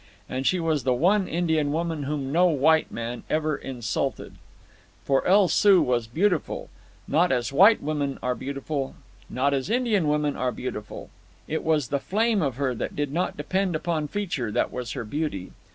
And she was the one Indian woman whom no white man ever insulted. For El Soo was beautiful—not as white women are beautiful, not as Indian women are beautiful. It was the flame of her, that did not depend upon feature, that was her beauty.